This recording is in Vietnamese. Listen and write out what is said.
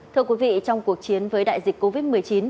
thưa quý vị trong cuộc chiến với đại dịch covid một mươi chín